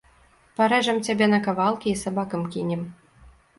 Парэжам цябе на кавалкі і сабакам кінем.